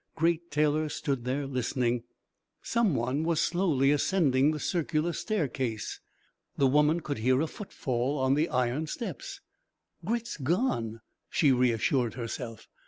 Great Taylor stood there listening. Someone was slowly ascending the circular staircase. The woman could hear a footfall on the iron steps. "Grit's gone," she reassured herself.